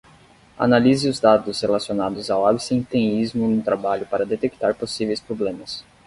Analise os dados relacionados ao absenteísmo no trabalho para detectar possíveis problemas.